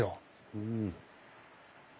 うん。